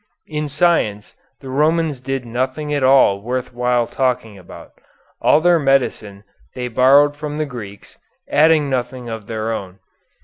In science the Romans did nothing at all worth while talking about. All their medicine they borrowed from the Greeks, adding nothing of their own.